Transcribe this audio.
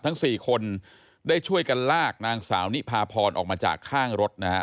ทั้ง๔คนได้ช่วยกันลากนางสาวนิพาพรออกมาจากข้างรถนะฮะ